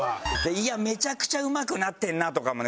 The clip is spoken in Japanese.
「いやめちゃくちゃうまくなってんな！」とかもね。